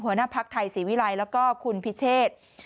หัวหน้าภักดิ์ไทยศรีวิรัยแล้วก็คุณพิเชษ